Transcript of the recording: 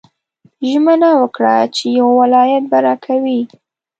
ژمنه وکړه چې یو ولایت به راکوې.